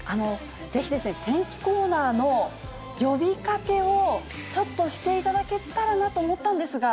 ぜひ、天気コーナーの呼びかけをちょっとしていただけたらなと思ったんですが。